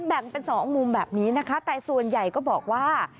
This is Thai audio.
แบ่งเป็นสองมุมแบบนี้นะคะแต่ส่วนใหญ่ก็บอกว่า